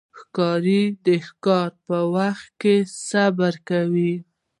ښکاري د ښکار په وخت کې صبر کوي.